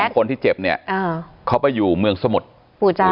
๒คนที่เจ็บเขาไปอยู่เมืองสมุทรปู่เจ้า